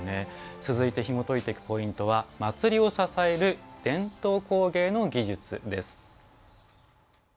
続いてひもといていくポイントは「祭りを支える伝統工芸の技術」。